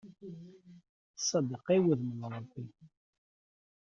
Ṣṣadaqa, i wudem n Ṛebbi.